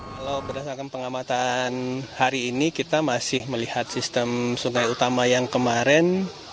kalau berdasarkan pengamatan hari ini kita masih melihat sistem sungai utama yang kemarin